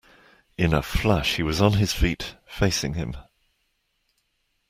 In a flash he was on his feet, facing him.